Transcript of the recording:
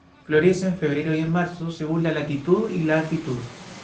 Florece en febrero y marzo, según la latitud y la altitud.